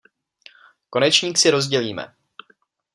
Konečník si rozdělíme.